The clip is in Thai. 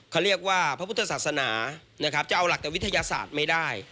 เขาเรียกว่าพระพุทธศาสนานะครับจะเอาหลักวิทยาศาสตร์ไม่ได้